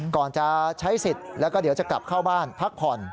ก่อนจะใช้สิทธิ์แล้วก็เดี๋ยวจะกลับเข้าบ้านพักผ่อน